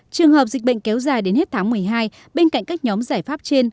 trường hợp dịch bệnh kéo dài đến hết tháng một mươi hai bên cạnh các nhóm giải pháp trên